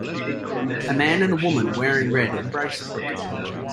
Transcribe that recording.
A man and a woman wearing red embracing.